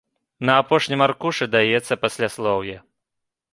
На апошнім аркушы даецца пасляслоўе.